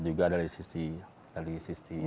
juga dari sisi